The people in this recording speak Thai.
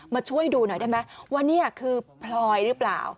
มาช่วยดูหน่อยได้ไหมว่านี่คือพลอยหรือเปล่า